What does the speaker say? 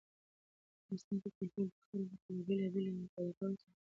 افغانستان کې کلتور د خلکو له بېلابېلو اعتقاداتو سره پوره او نږدې تړاو لري.